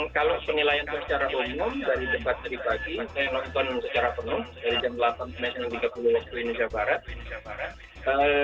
kalau penilaian secara umum dari debat tadi pagi saya nonton secara penuh dari jam delapan tiga puluh waktu indonesia barat